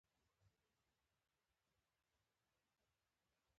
موږ راځو چې دوئ ونه وېرېږي.